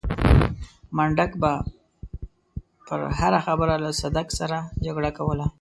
منډک به پر هره خبره له صدک سره جګړه کوله.